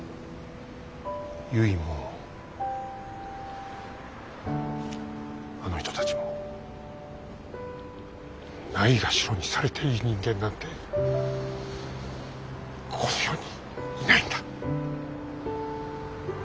ゆいもあの人たちもないがしろにされていい人間なんてこの世にいないんだ。